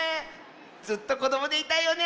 ずっとこどもでいたいよね。